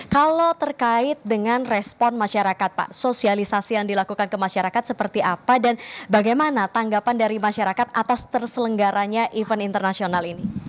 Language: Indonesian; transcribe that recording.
kalau terkait dengan respon masyarakat pak sosialisasi yang dilakukan ke masyarakat seperti apa dan bagaimana tanggapan dari masyarakat atas terselenggaranya event internasional ini